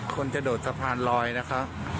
คนจะโดดสะพานลอยนะครับ